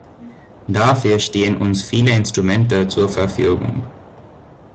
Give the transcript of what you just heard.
Dafür stehen uns viele Instrumente zur Verfügung.